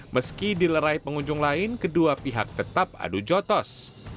meski dilerai pengunjung lain kedua pihak tetap adu jotos